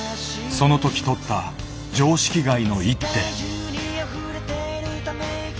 その時とった常識外の一手。